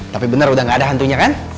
tapi benar udah gak ada hantunya kan